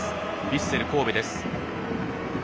ヴィッセル神戸です。